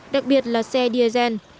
đặc biệt là xe diesel